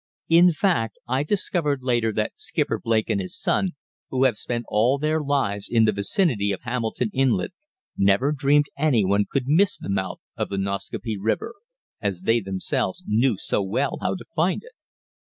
In fact I discovered later that Skipper Blake and his son, who have spent all their lives in the vicinity of Hamilton Inlet, never dreamed anyone could miss the mouth of the Nascaupee River, as they themselves knew so well how to find it.